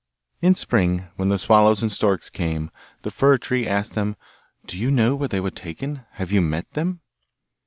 In spring, when the swallows and storks came, the fir tree asked them, 'Do you know where they were taken? Have you met them?